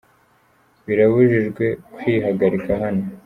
Birabujijwe kwihaagarika hano